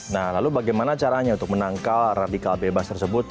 nah lalu bagaimana caranya untuk menangkal radikal bebas tersebut